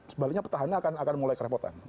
sebaliknya petahana akan mulai kerepotan